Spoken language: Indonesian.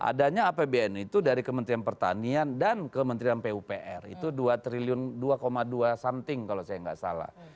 adanya apbn itu dari kementerian pertanian dan kementerian pupr itu dua triliun dua dua something kalau saya nggak salah